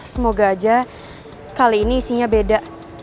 semoga aja kali ini isinya beda